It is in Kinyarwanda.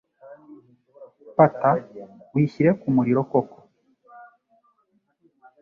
Fata, uyishyire ku muriro koko.